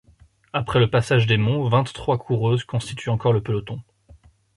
Après le passage des monts, vingt-trois coureuses constituent encore le peloton.